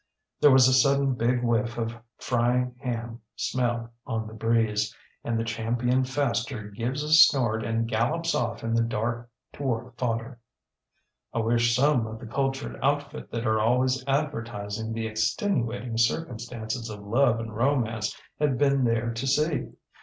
ŌĆÖ ŌĆ£There was a sudden big whiff of frying ham smell on the breeze; and the Champion Faster gives a snort and gallops off in the dark toward fodder. ŌĆ£I wish some of the cultured outfit that are always advertising the extenuating circumstances of love and romance had been there to see.